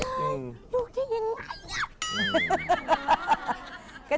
ลูกจะยังไง